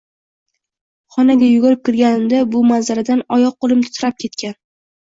Xonaga yugurib kirganimda bu manzaradan oyoq-qo`lim titrab ketgan